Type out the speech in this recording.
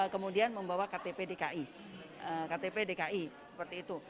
kemudian membawa ktp dki ktp dki seperti itu